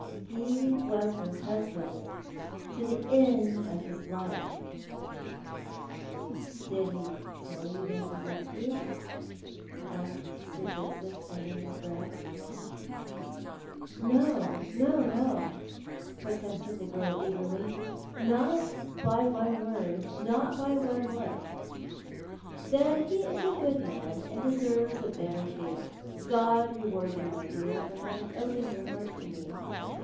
He was her husband to the end of his life " 36 Tho2L art the Man. " No, no, no," protested the girl eagerly. " Not by one word, not by one look." " Then he is a good man, and deserves a better fate. God reward you, my dear, for having opened your heart to me.